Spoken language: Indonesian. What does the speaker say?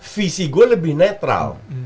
visi aku lebih netral